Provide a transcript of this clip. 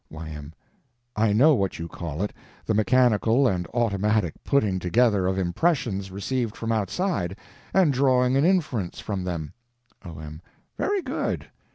Y.M. I know what you call it: the mechanical and automatic putting together of impressions received from outside, and drawing an inference from them. O.M. Very good.